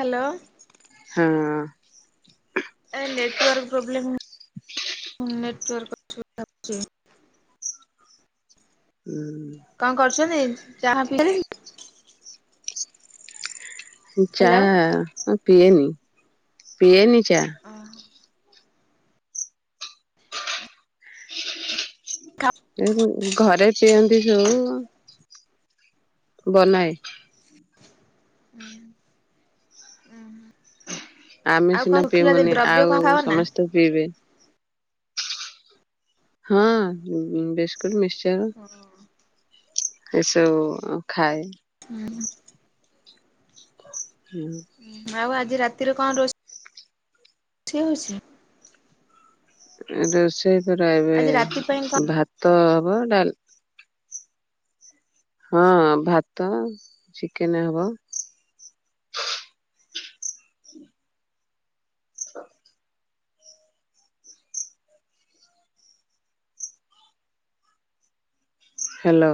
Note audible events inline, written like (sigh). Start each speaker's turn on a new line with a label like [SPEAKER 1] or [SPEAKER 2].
[SPEAKER 1] Hello
[SPEAKER 2] ହଁ।
[SPEAKER 1] ଏ network problem, network (unintelligible) କଁ କରୁଛନ୍ତି? ଚାହା ପିଇସାରିଲେନି?
[SPEAKER 2] ଚା
[SPEAKER 1] ହ୍ୟାଲୋ।
[SPEAKER 2] ହ ପିଏନି, ପିଏନି। ଚା ଏ ଘରେ ପିଅନ୍ତି, ଯଉ। ବନାଏ।
[SPEAKER 1] ହୁଁ, ହୁଁ, ଉଁ, ହୁଁ।
[SPEAKER 2] ଆମେ ସିନା ପିଇମୁନି, ଆଉ
[SPEAKER 1] କଣ ଖାଅ ନା?
[SPEAKER 2] ସମସ୍ତେ ପିଇବେ। ହଁ, ବିସ୍କୁଟ ମିକ୍ସଚର୍ ଏସବୁ ଖାଏ।
[SPEAKER 1] ହୁଁ।
[SPEAKER 2] ହୁଁ।
[SPEAKER 1] ଆଉ ଆଜି ରାତିରେ କଣ ରୋଷେ ଠି ହଉଛି?
[SPEAKER 2] ରୋଷେଇ ତରେ ଏବେ
[SPEAKER 1] ଆଜି ରାତି ପାଇଁ କଣ
[SPEAKER 2] ଭାତ ତ ହବ, ଡାଲ ହଁ, ଭାତ, ଚିକେନ ହବ ହ୍ୟାଲୋ।